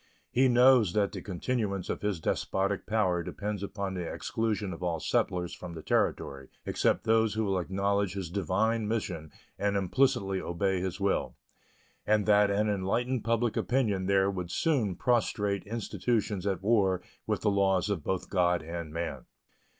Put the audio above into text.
He knows that the continuance of his despotic power depends upon the exclusion of all settlers from the Territory except those who will acknowledge his divine mission and implicitly obey his will, and that an enlightened public opinion there would soon prostrate institutions at war with the laws both of God and man.